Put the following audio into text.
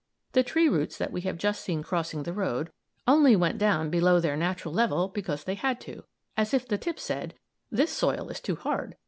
The tree roots that we have just seen crossing the road only went down below their natural level because they had to, as if the tip said: "This soil is too hard.